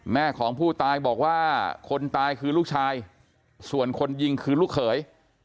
แม่ของผู้ตายบอกว่าคนตายคือลูกชายส่วนคนยิงคือลูกเขย